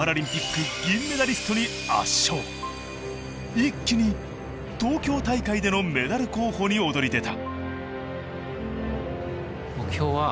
一気に東京大会でのメダル候補に躍り出た。